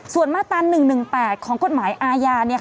ส่วนมาตรา๑๑๘ของกฎหมายอาญา